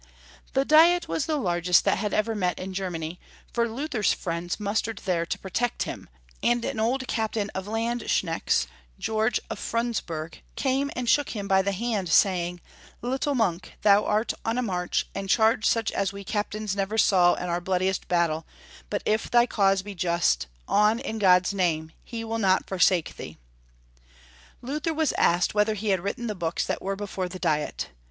The Diet was the largest that had ever met in Germany, for Luther's friends mustered there to protect him, and an old captain of landsknechts, George of Freundsburg, came and shook him by the hand, saying, "Little monk, thou art on a march, and charge such as we captains never saw in our bloodiest battle, but if thy cause be just, On in God's name, He will not forsake thee." Luther was asked whether he had written the books that were before the Diet.